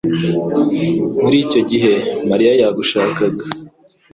Muri icyo gihe, Mariya yagushakaga.